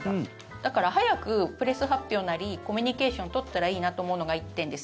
だから、早くプレス発表なりコミュニケーションを取ったらいいなと思うのが１点です。